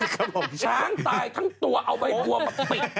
ช้างตายทั้งตัวเอาใบบัวมาปิด